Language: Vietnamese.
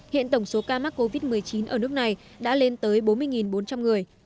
hiện tổng số ca mắc covid một mươi chín ở nước này đã lên tới bốn mươi bốn trăm linh người